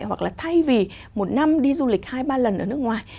hoặc là thay vì một năm đi du lịch hai ba lần ở nước ngoài